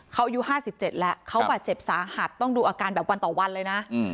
เขาอายุห้าสิบเจ็ดแล้วเขาแบบเจ็บสาหัสต้องดูอาการแบบวันต่อวันเลยนะ